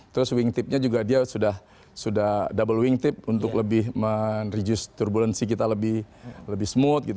terus wingtipnya juga dia sudah double wingtip untuk lebih men reduce turbulensi kita lebih smooth